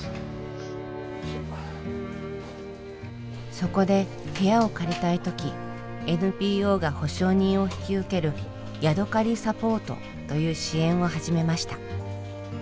そこで部屋を借りたい時ＮＰＯが保証人を引き受ける「やどかりサポート」という支援を始めました。